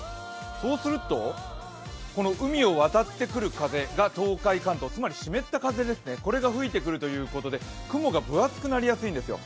そうすると、海を渡ってくる風が東海、関東、つまり湿った風が吹いてくるということで、雲が分厚くなりやすいんですよ。